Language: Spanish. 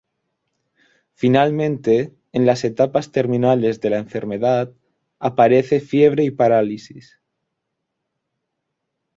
Finalmente, en las etapas terminales de la enfermedad, aparece fiebre y parálisis.